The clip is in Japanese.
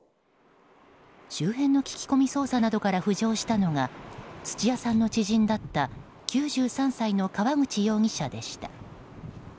周辺の聞き込み捜査などから浮上したのが土屋さんの知人だった９３歳の川口容疑者でした。